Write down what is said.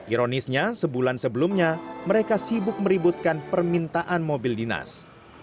ironisnya sebulan sebelumnya mereka sibuk meributkan permintaan mobil dinas